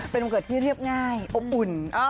เป็นวันเกิดที่เรียบง่ายอบอุ่น